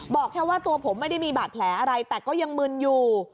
บอกแค่ว่าตัวผมไม่ได้มีบาดแผลอะไรแต่ก็ยังมึนอยู่